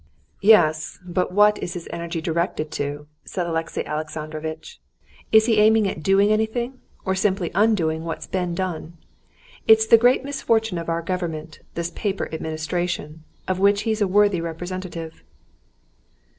"Yes, but what is his energy directed to?" said Alexey Alexandrovitch. "Is he aiming at doing anything, or simply undoing what's been done? It's the great misfortune of our government—this paper administration, of which he's a worthy representative."